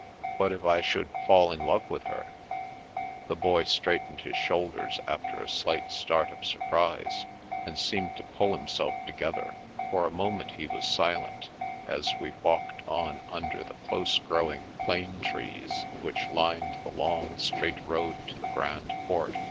" What if I should fall in love with her? " The Boy straightened his shoulders, after a slight start of surprise, and seemed to pull himself to gether. For a moment he was silent, as we walked on under the close growing plane trees which lined the long, straight road to the Grand Port.